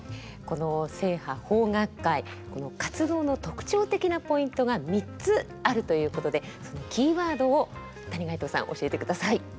この正派邦楽会活動の特徴的なポイントが３つあるということでそのキーワードを谷垣内さん教えてください。